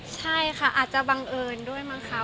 ใช่ค่ะอาจจะบังเอิญด้วยมั้งค่ะ